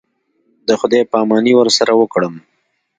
د خداى پاماني ورسره وكړم.